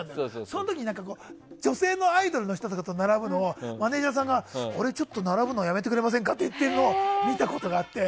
その時に女性のアイドルの人とかと並ぶのをマネジャーさんが並ぶのやめてくれませんかって言っているのを見たことがあって。